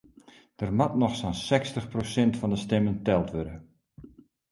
Der moat noch sa'n sechstich prosint fan de stimmen teld wurde.